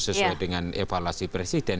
sesuai dengan evaluasi presiden